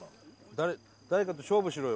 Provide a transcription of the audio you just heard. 誰かと勝負しろよ